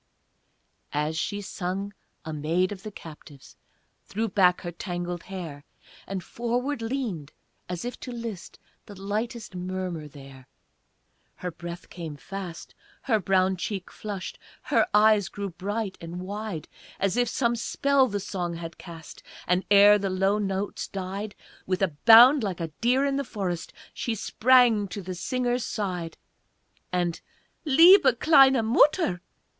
As she sung, a maid of the captives Threw back her tangled hair, And forward leaned as if to list The lightest murmur there; Her breath came fast, her brown cheek flushed, Her eyes grew bright and wide As if some spell the song had cast, And, ere the low notes died, With a bound like a deer in the forest She sprang to the singer's side, And, "Liebe, kleine Mutter!"